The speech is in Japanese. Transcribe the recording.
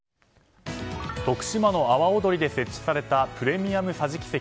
徳島の阿波おどりで設置されたプレミアム桟敷席。